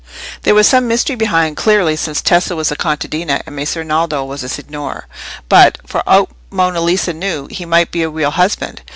There was some mystery behind, clearly, since Tessa was a contadina, and Messer Naldo was a signor; but, for aught Monna Lisa knew, he might be a real husband.